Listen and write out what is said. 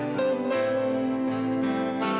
gak bakal jadi satu